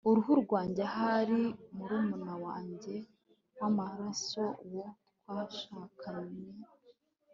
Uruhu rwanjye arahari murumuna wanjye wamaraso uwo twashakanye